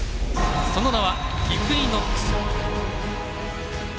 その名はイクイノックス。